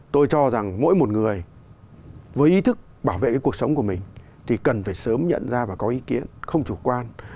tôi cho rằng mỗi một người với ý thức bảo vệ cái cuộc sống của mình thì cần phải sớm nhận ra và có ý kiến không chủ quan